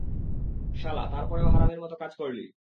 শালা, তারপরেও হারামির মত কাজ করলি?